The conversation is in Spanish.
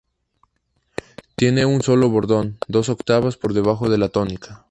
Tiene un solo bordón, dos octavas por debajo de la tónica.